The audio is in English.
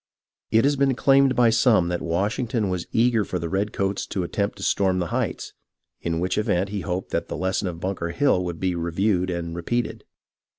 It has been claimed by some that Washington was eager for the redcoats to attempt to storm the Heights, in which event he hoped that the lesson of Bunker Hill would be reviewed and repeated.